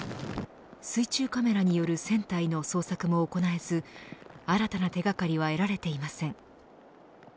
水中カメラによる船体の捜索も行えず新たな手掛かりは得られていません。